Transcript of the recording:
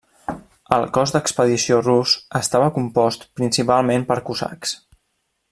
El cos d'expedició rus estava compost principalment per cosacs.